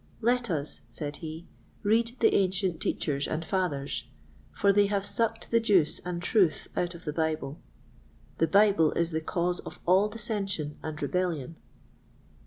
Let us," said he, "read the ancient Teachers and Fathers, for they have sucked the juice and truth out of the Bible. The Bible is the cause of all dissension and rebellion."